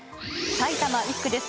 埼玉１区です。